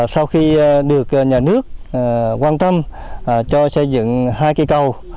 sau khi được nhà nước quan tâm cho xây dựng hai cây cầu